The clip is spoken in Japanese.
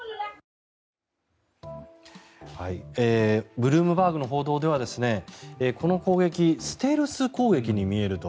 ブルームバーグの報道ではこの攻撃ステルス攻撃に見えると。